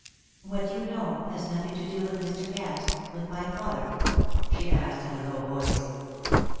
"What you know has nothing to do with Mr. Cass with my father?" she asked in a low voice.